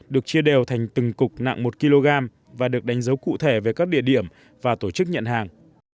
được chia đều thành từng cục nặng một kg và được đánh dấu cụ thể về các địa điểm và tổ chức nhận hàng